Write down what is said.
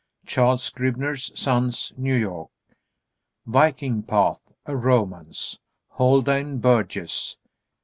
Charles Scribner's Sons, New York. "Viking Path, a romance;" Haldane Burgess.